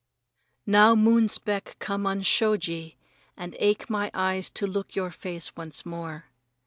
Now moon speck come on shoji and ache my eyes to look your face once more.